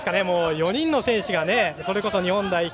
４人の選手がそれこそ日本代表